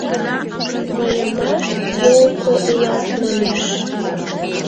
Мыйымат йолко улат манеш...